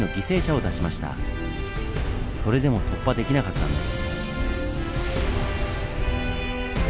それでも突破できなかったんです。